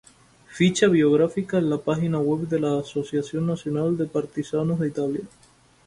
Ficha biográfica en la página web de la Asociación Nacional de Partisanos de Italia